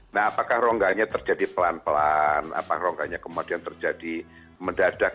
nah apakah rongganya terjadi pelan pelan rongganya kemudian terjadi mendadak